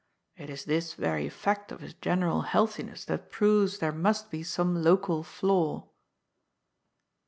It is this very fact of his general healthiness that proves there must be some local flaw."